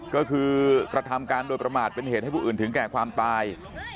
ก็คือกระทำการโดยประมาทเป็นเหตุให้ผู้อื่นถึงแก่ความตาย